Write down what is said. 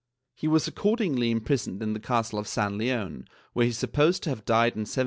^ He was accordingly impris oned in the castle of San Leone where he is supposed to have died in 1795.